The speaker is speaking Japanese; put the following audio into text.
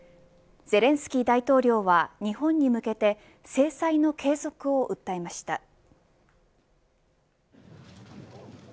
ゼレンスキー大統領は日本に向けて制裁の継続を訴えました。